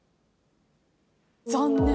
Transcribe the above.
残念。